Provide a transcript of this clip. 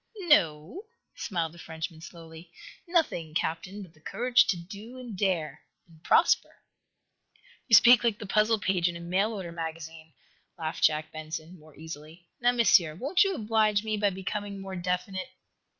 "No o o," smiled the Frenchman slowly. "Nothing, Captain, but the courage to do and dare and prosper." "You speak like the puzzle page in a mail order magazine," laughed Jack Benson, more easily. "Now, Monsieur, won't you oblige me by becoming more definite?"